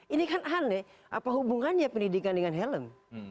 ini kan aneh apa hubungannya pendidikan dengan helm